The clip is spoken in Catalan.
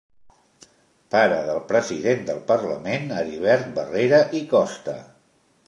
Pare del president del Parlament Heribert Barrera i Costa.